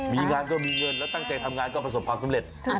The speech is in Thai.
มีงานก็มีเงินแล้วตั้งใจทำงานก็ประสบความสำเร็จ